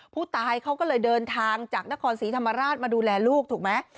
ผู้ตายเขาก็เลยเดินทางจากนครศรีธรรมราชมาดูแลลูกถูกไหม